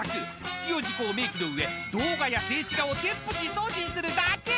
必要事項を明記の上動画や静止画を添付し送信するだけ！］